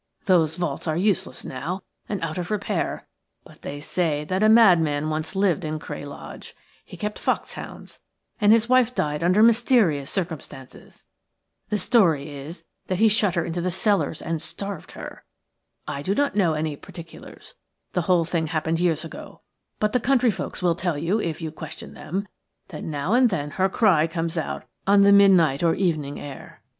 Those vaults are useless now and out of repair, but they say that a madman once lived in Cray Lodge. He kept foxhounds, and his wife died under mysterious circumstances. The story is that he shut her into the cellars and starved her. I do not know any particulars – the whole thing happened years ago – but the countryfolks will tell you, if you question them, that now and then her cry comes out on the midnight or evening air.